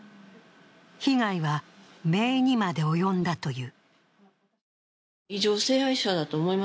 被害はめいにまで及んだという。